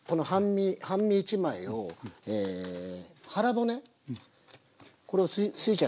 半身１枚を腹骨これをすいちゃいますね。